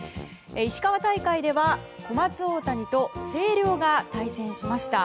石川大会では小松大谷と星稜が対戦しました。